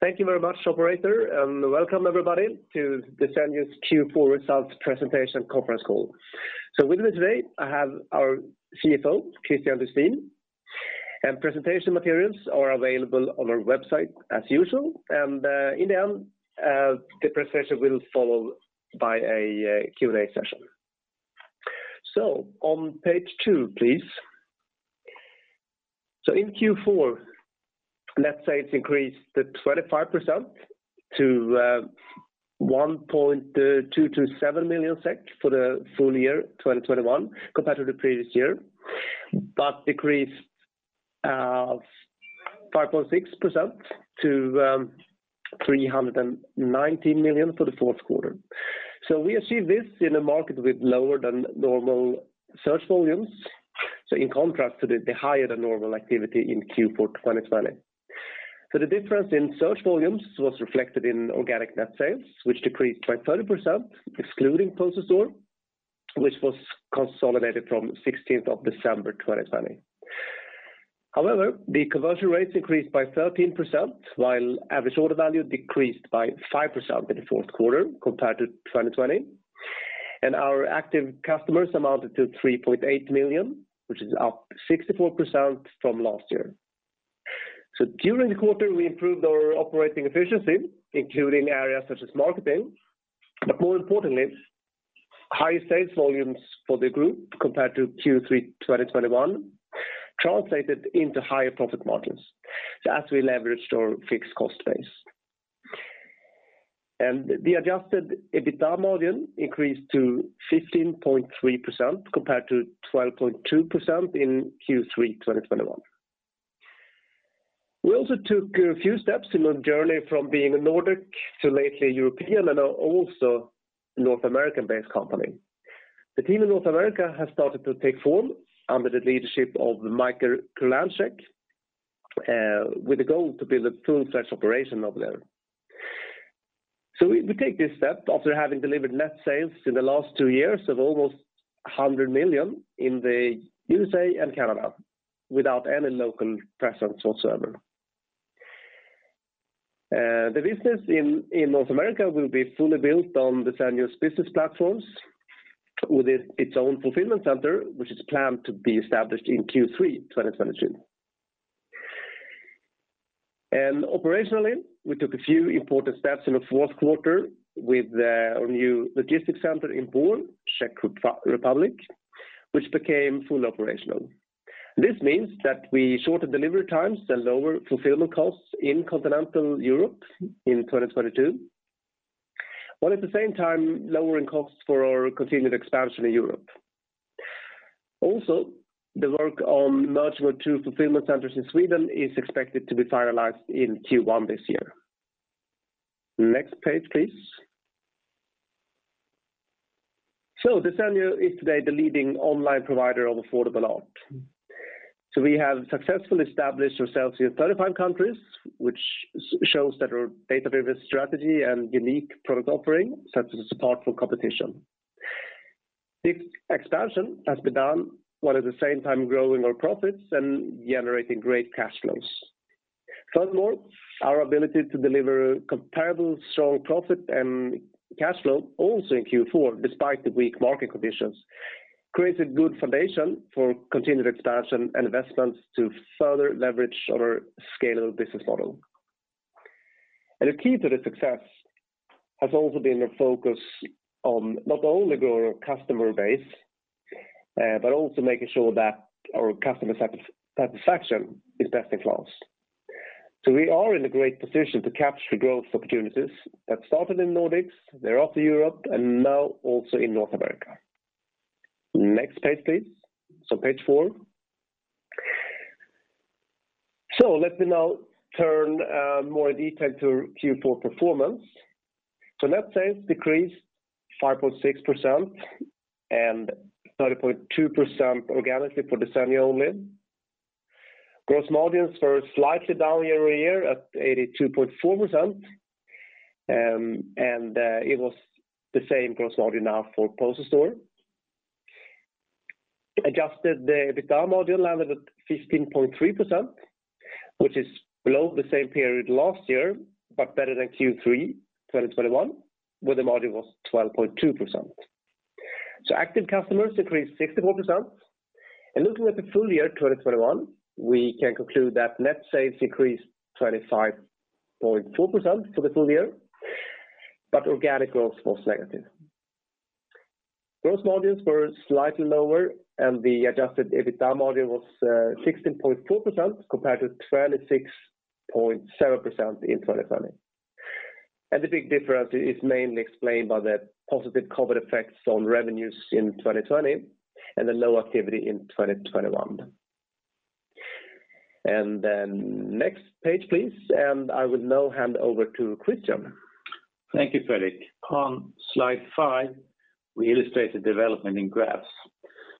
Thank you very much operator, and welcome everybody to Desenio's Q4 results presentation conference call. With me today, I have our CFO, Kristian Lustin. Presentation materials are available on our website as usual, and in the end, the presentation will follow by a Q&A session. On page two, please. In Q4, let's say it's increased to 25% to 1.227 million SEK for the full year 2021 compared to the previous year, but decreased 5.6% to 390 million for the Q4. We achieve this in a market with lower than normal search volumes. In contrast to the higher than normal activity in Q4 2020. The difference in search volumes was reflected in organic net sales, which decreased by 30%, excluding Poster Store, which was consolidated from December 16, 2020. However, the conversion rates increased by 13%, while average order value decreased by 5% in the Q4 compared to 2020. Our active customers amounted to 3.8 million, which is up 64% from last year. During the quarter, we improved our operating efficiency, including areas such as marketing. More importantly, high sales volumes for the group compared to Q3 2021 translated into higher profit margins so as we leveraged our fixed cost base. The adjusted EBITDA margin increased to 15.3% compared to 12.2% in Q3 2021. We also took a few steps in our journey from being a Nordic to lately European and now also North American-based company. The team in North America has started to take form under the leadership of Michael Kolanczyk with the goal to build a full-fledged operation up there. We take this step after having delivered net sales in the last two years of almost $100 million in the USA and Canada without any local presence whatsoever. The business in North America will be fully built on the Desenio's business platforms with its own fulfillment center, which is planned to be established in Q3 2022. Operationally, we took a few important steps in the Q4 with our new logistics center in Bor, Czech Republic, which became fully operational. This means that we have shorter delivery times and lower fulfillment costs in continental Europe in 2022, while at the same time lowering costs for our continued expansion in Europe. Also, the work on merging our two fulfillment centers in Sweden is expected to be finalized in Q1 this year. Next page, please. Desenio is today the leading online provider of affordable art. We have successfully established ourselves in 35 countries, which shows that our data-driven strategy and unique product offering sets us apart from competition. This expansion has been done while at the same time growing our profits and generating great cash flows. Furthermore, our ability to deliver comparably strong profit and cash flow also in Q4, despite the weak market conditions, creates a good foundation for continued expansion and investments to further leverage our scalable business model. The key to the success has also been the focus on not only growing our customer base, but also making sure that our customer satisfaction is best in class. We are in a great position to capture growth opportunities that started in Nordics, they're off to Europe, and now also in North America. Next page, please. Page four. Let me now turn more in detail to Q4 performance. Let's say it's decreased 5.6% and 30.2% organically for Desenio only. Gross margins were slightly down year-over-year at 82.4%, and it was the same gross margin now for Poster Store. Adjusted EBITDA margin landed at 15.3%, which is below the same period last year, but better than Q3 2021, where the margin was 12.2%. Active customers decreased 64%. Looking at the full year 2021, we can conclude that net sales decreased 25.4% for the full year, but organic growth was negative. Gross margins were slightly lower, and the adjusted EBITDA margin was 16.4% compared to 26.7% in 2020. The big difference is mainly explained by the positive COVID effects on revenues in 2020 and the low activity in 2021. Next page, please, and I will now hand over to Kristian. Thank you, Fredrik. On slide 5, we illustrate the development in graphs.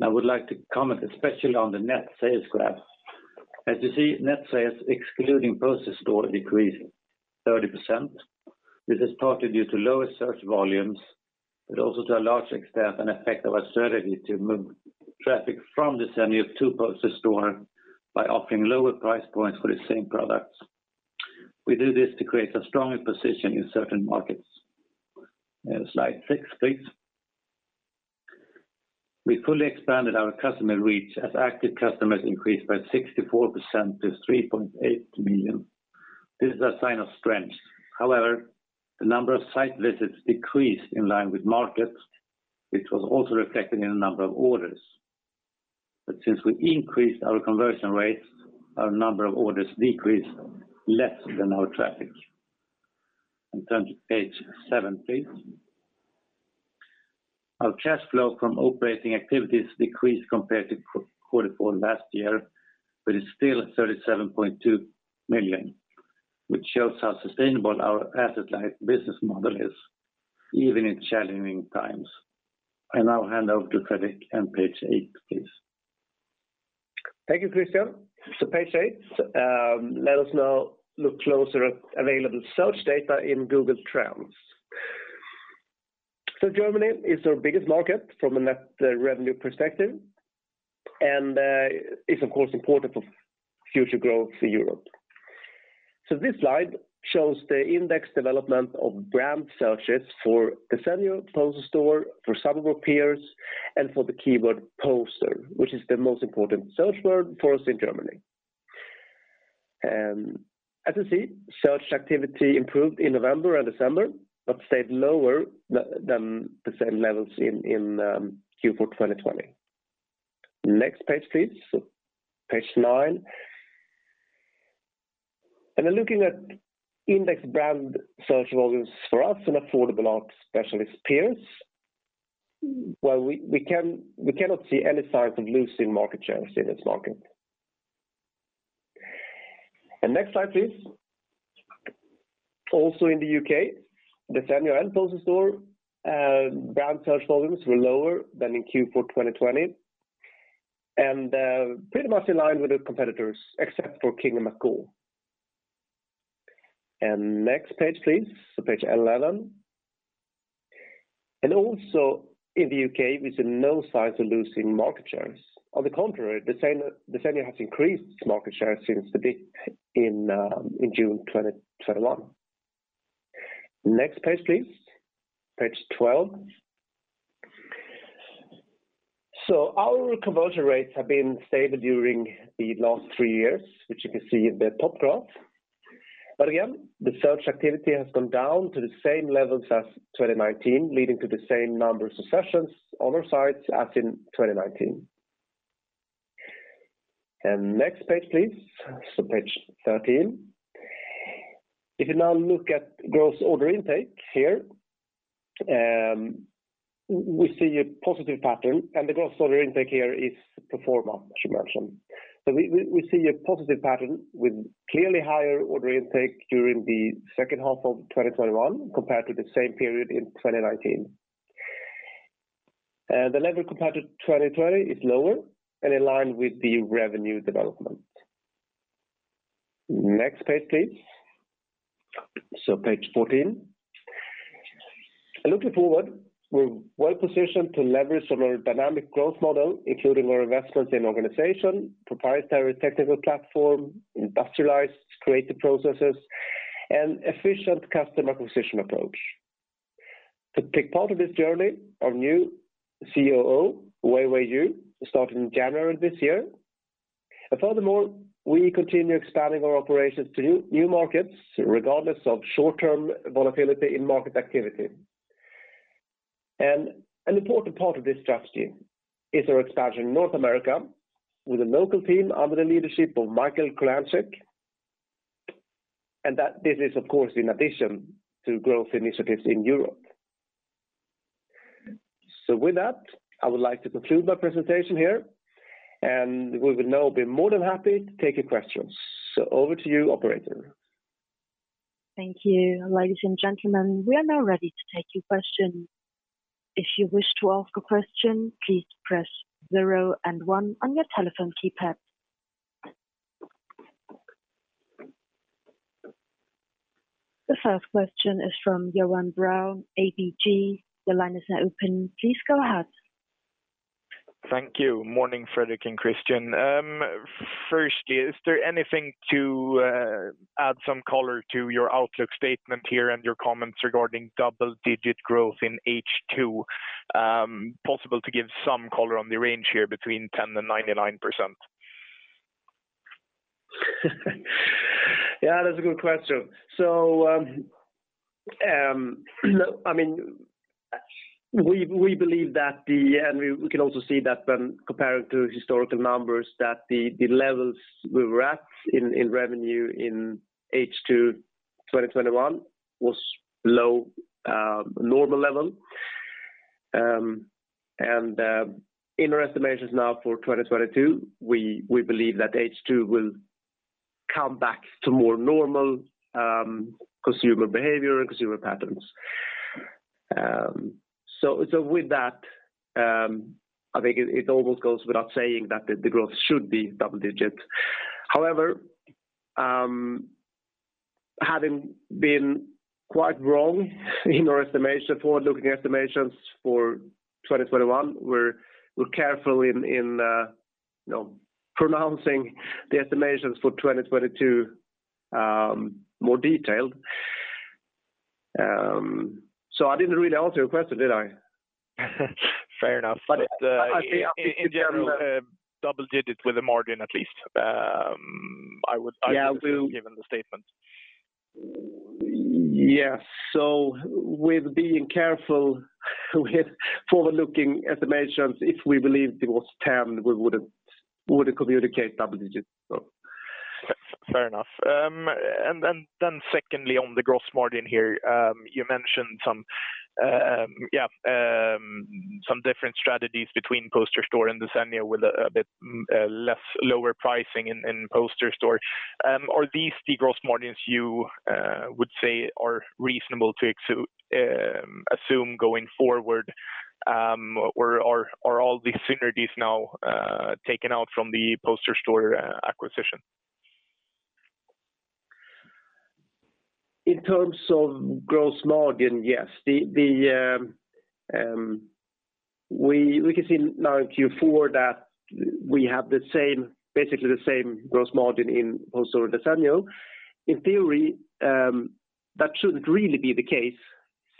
I would like to comment especially on the net sales graph. As you see, net sales excluding Poster Store decreased 30%. This is partly due to lower search volumes, but also to a large extent an effect of our strategy to move traffic from Desenio to Poster Store by offering lower price points for the same products. We do this to create a stronger position in certain markets. Slide 6, please. We fully expanded our customer reach as active customers increased by 64% to 3.8 million. This is a sign of strength. However, the number of site visits decreased in line with markets, which was also reflected in the number of orders. But since we increased our conversion rates, our number of orders decreased less than our traffic. Turn to page 7, please. Our cash flow from operating activities decreased compared to quarter four last year, but is still 37.2 million, which shows how sustainable our asset light business model is even in challenging times. I now hand over to Fredrik on page 8, please. Thank you, Christian. Page 8, let us now look closer at available search data in Google Trends. Germany is our biggest market from a net revenue perspective and is of course important for future growth for Europe. This slide shows the index development of brand searches for Desenio, Poster Store for some of our peers and for the keyword poster, which is the most important search word for us in Germany. As you see, search activity improved in November and December, but stayed lower than the same levels in Q4 2020. Next page, please. Page nine. Then looking at index brand search volumes for us and affordable art specialist peers, well, we cannot see any signs of losing market shares in this market. Next slide, please. In the U.K., Desenio and Poster Store brand search volumes were lower than in Q4 2020. Pretty much in line with the competitors, except for King & McGaw. Next page, please. Page eleven. In the U.K., we see no signs of losing market shares. On the contrary, Desenio has increased its market share since the beginning in June 2021. Next page, please. Page twelve. Our conversion rates have been stable during the last three years, which you can see in the top graph. Again, the search activity has gone down to the same levels as 2019, leading to the same number of sessions on our sites as in 2019. Next page, please. Page thirteen. If you now look at gross order intake here, we see a positive pattern, and the gross order intake here is pro forma, I should mention. We see a positive pattern with clearly higher order intake during the H2 of 2021 compared to the same period in 2019. The level compared to 2020 is lower and in line with the revenue development. Next page, please. Page 14. Looking forward, we're well positioned to leverage on our dynamic growth model, including our investments in organization, proprietary technical platform, industrialized creative processes, and efficient customer acquisition approach. To take part of this journey, our new COO, Wei Wei Yu, started in January this year. Furthermore, we continue expanding our operations to new markets regardless of short-term volatility in market activity. An important part of this strategy is our expansion in North America with a local team under the leadership of Michał Cylwik, and that this is of course in addition to growth initiatives in Europe. With that, I would like to conclude my presentation here, and we would now be more than happy to take your questions. Over to you, operator. Thank you. Ladies and gentlemen, we are now ready to take your questions. If you wish to ask a question, please press zero and one on your telephone keypad. The first question is from Johan Roslund, ABG. Your line is now open. Please go ahead. Thank you. Morning, Fredrik and Christian. Firstly, is there anything to add some color to your outlook statement here and your comments regarding double-digit growth in H2, possible to give some color on the range here between 10% and 99%? Yeah, that's a good question. I mean, we believe that and we can also see that when comparing to historical numbers that the levels we were at in revenue in H2 2021 was below normal level. In our estimations now for 2022, we believe that H2 will come back to more normal consumer behavior and consumer patterns. With that, I think it almost goes without saying that the growth should be double-digit. However, having been quite wrong in our estimation for looking at estimations for 2021, we're careful in you know, pronouncing the estimations for 2022 more detailed. I didn't really answer your question, did I? Fair enough. I think. In general, double digits with a margin at least. Yeah, I do. Given the statement. Yes. With being careful with forward-looking estimations, if we believed it was 10, we would communicate double digits. Fair enough. Secondly on the gross margin here, you mentioned some different strategies between Poster Store and Desenio with a bit lower pricing in Poster Store. Are these the gross margins you would say are reasonable to assume going forward? Or are all the synergies now taken out from the Poster Store acquisition? In terms of gross margin, yes. We can see now in Q4 that we have basically the same gross margin in Poster Store and Desenio. In theory, that shouldn't really be the case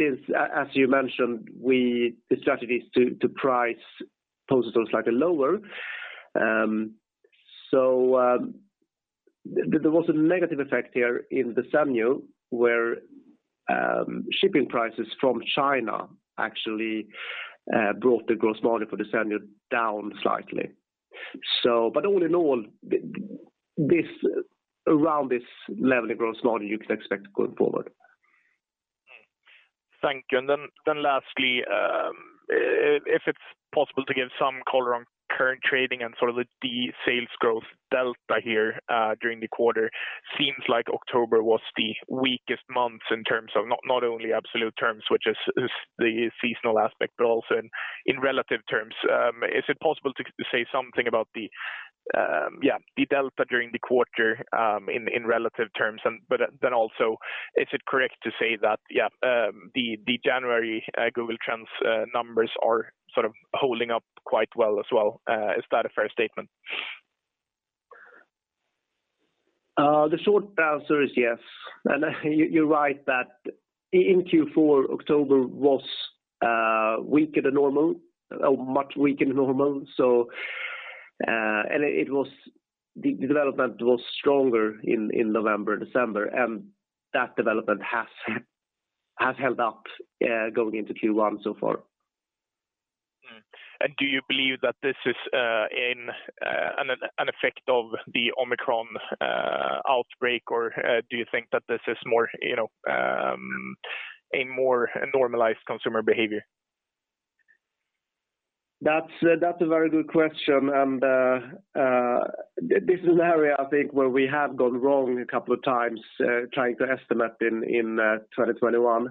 since as you mentioned, the strategy is to price Poster Store slightly lower. There was a negative effect here in Desenio where shipping prices from China actually brought the gross margin for Desenio down slightly. All in all, around this level of gross margin you can expect going forward. Thank you. Lastly, if it's possible to give some color on current trading and sort of the sales growth delta here during the quarter, seems like October was the weakest month in terms of not only absolute terms, which is the seasonal aspect, but also in relative terms? Is it possible to say something about the delta during the quarter in relative terms? Is it correct to say that the January Google Trends numbers are sort of holding up quite well as well? Is that a fair statement? The short answer is, yes. You, you're right that in Q4, October was weaker than normal, much weaker than normal. The development was stronger in November, December, and that development has held up going into Q1 so far. Do you believe that this is an effect of the Omicron outbreak, or do you think that this is more, you know, a more normalized consumer behavior? That's a very good question. This is an area I think where we have gone wrong a couple of times, trying to estimate in 2021.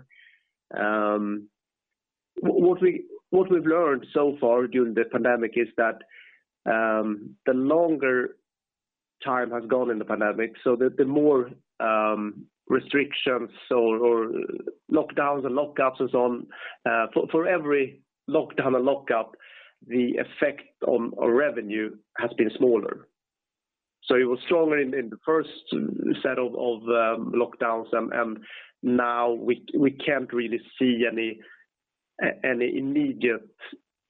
What we've learned so far during the pandemic is that the longer time has gone in the pandemic, so the more restrictions or lockdowns and lockups and so on, for every lockdown and lockup, the effect on our revenue has been smaller. It was stronger in the first set of lockdowns, and now we can't really see any immediate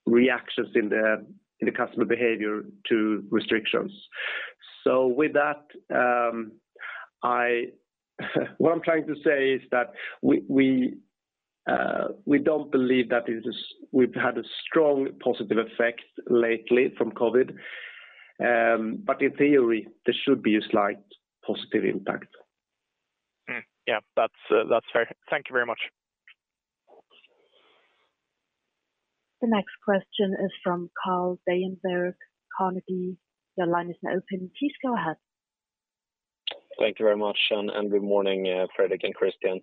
reactions in the customer behavior to restrictions. With that, I What I'm trying to say is that we don't believe we've had a strong positive effect lately from COVID, but in theory, there should be a slight positive impact. Yeah, that's fair. Thank you very much. The next question is from Carl Bergenberg, Carnegie. Your line is now open. Please go ahead. Thank you very much, and good morning, Fredrik and Kristian.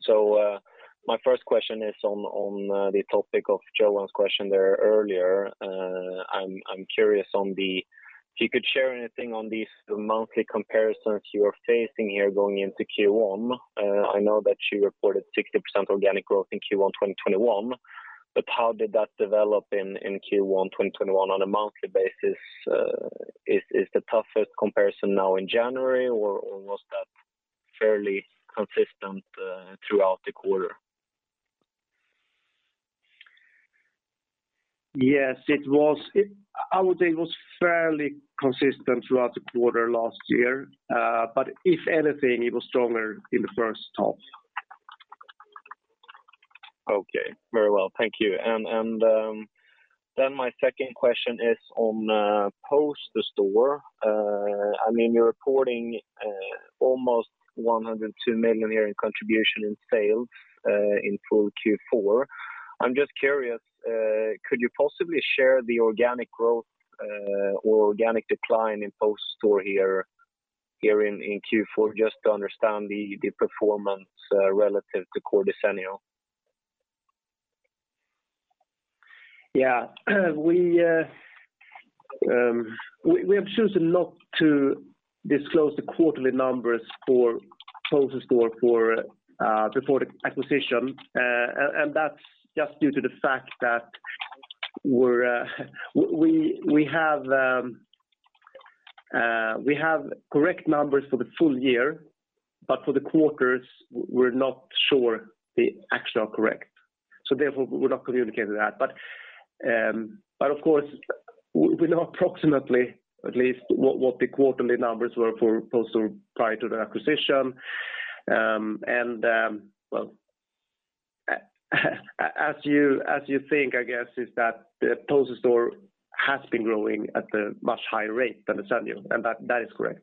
My first question is on the topic of Johan's question there earlier. I'm curious. If you could share anything on these monthly comparisons you are facing here going into Q1. I know that you reported 60% organic growth in Q1 2021, but how did that develop in Q1 2021 on a monthly basis? Is the toughest comparison now in January, or was that fairly consistent through the quarter? Yes. I would say it was fairly consistent throughout the quarter last year. If anything, it was stronger in the H1. Okay. Very well. Thank you. My second question is on Poster Store. I mean, you're reporting almost 102 million in contribution in sales in full Q4. I'm just curious, could you possibly share the organic growth or organic decline in Poster Store here in Q4, just to understand the performance relative to core Desenio. Yeah. We have chosen not to disclose the quarterly numbers for Poster Store before the acquisition. That's just due to the fact that we have correct numbers for the full year, but for the quarters we're not sure they actually are correct. Therefore, we're not communicating that. Of course, we know approximately at least what the quarterly numbers were for Poster prior to the acquisition. As you think, I guess, is that the Poster Store has been growing at a much higher rate than Desenio, and that is correct.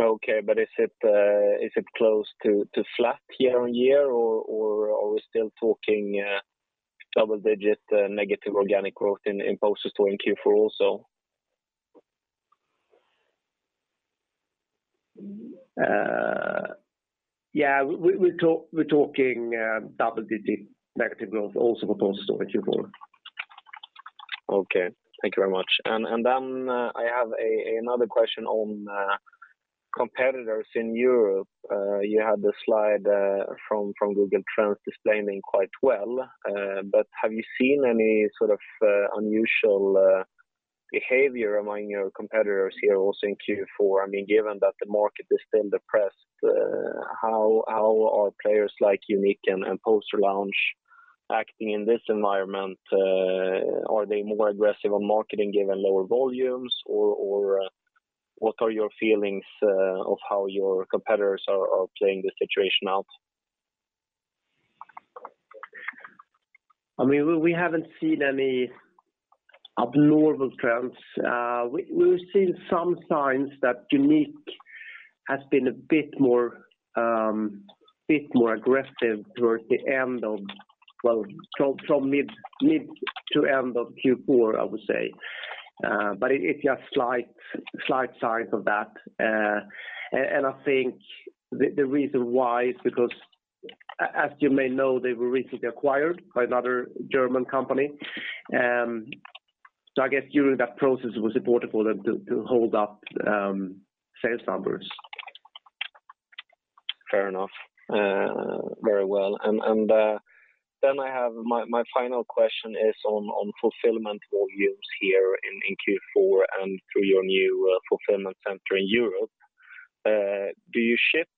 Okay. Is it close to flat year-on-year or are we still talking double-digit negative organic growth in Poster Store in Q4 also? Yeah. We're talking double-digit negative growth also for Poster Store in Q4. Okay. Thank you very much. I have another question on competitors in Europe. You had the slide from Google Trends displaying quite well. But have you seen any sort of unusual behavior among your competitors here also in Q4? I mean, given that the market is still depressed, how are players like Juniqe and Posterlounge acting in this environment? Are they more aggressive on marketing given lower volumes? Or what are your feelings of how your competitors are playing the situation out? I mean, we haven't seen any abnormal trends. We've seen some signs that Juniqe has been a bit more aggressive from mid to end of Q4, I would say. It's just slight signs of that. I think the reason why is because as you may know, they were recently acquired by another German company. I guess during that process it was important for them to hold up sales numbers. Fair enough. Very well. Then I have my final question on fulfillment volumes here in Q4 and through your new fulfillment center in Europe. Do you ship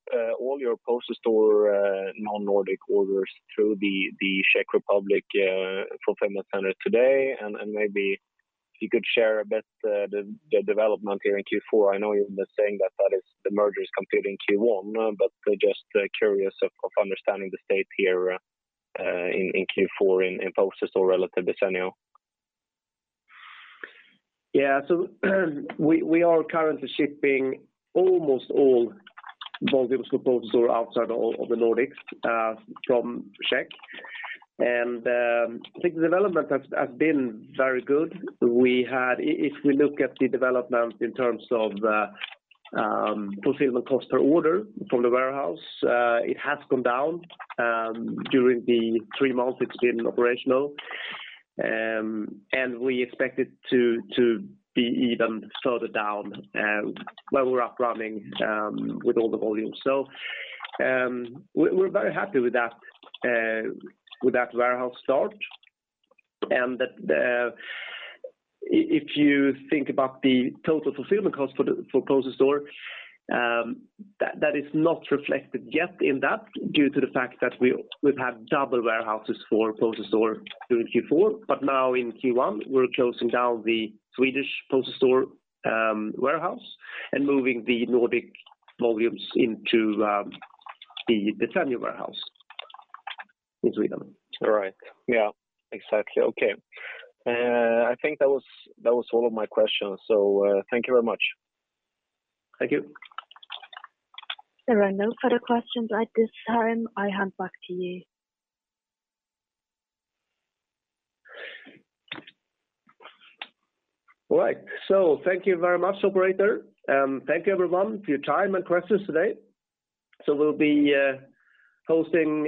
all your Poster Store non-Nordic orders through the Czech Republic fulfillment center today? Maybe if you could share a bit the development here in Q4. I know you've been saying that the merger is complete in Q1, but just curious of understanding the state here in Q4 in Poster Store relative Desenio. We are currently shipping almost all volumes for Poster Store outside all of the Nordics from Czech. I think the development has been very good. If we look at the development in terms of fulfillment cost per order from the warehouse, it has come down during the three months it's been operational. We expect it to be even further down when we're up and running with all the volumes. We're very happy with that warehouse start. If you think about the total fulfillment cost for Poster Store, that is not reflected yet in that due to the fact that we've had double warehouses for Poster Store during Q4. Now in Q1, we're closing down the Swedish Poster Store warehouse and moving the Nordic volumes into the Desenio warehouse in Sweden. All right. Yeah, exactly. Okay. I think that was all of my questions. Thank you very much. Thank you. There are no further questions at this time. I hand back to you. All right. Thank you very much, operator, and thank you everyone for your time and questions today. We'll be hosting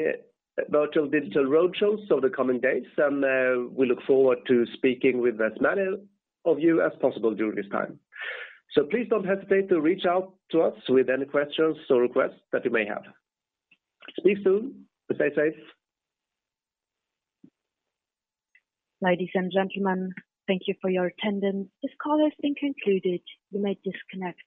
virtual digital roadshows over the coming days, and we look forward to speaking with as many of you as possible during this time. Please don't hesitate to reach out to us with any questions or requests that you may have. Speak soon and stay safe. Ladies and gentlemen, thank you for your attendance. This call has been concluded. You may disconnect.